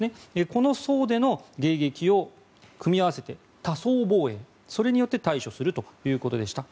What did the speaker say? この層での迎撃を組み合わせて多層防衛によって対処するということでした。